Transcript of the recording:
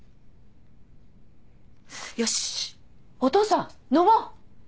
よしお父さん飲もう！